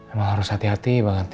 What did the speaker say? emang harus hati hati banget